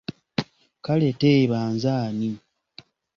Kale teeba nze ani?